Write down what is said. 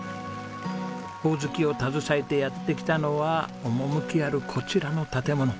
ホオズキを携えてやって来たのは趣あるこちらの建物。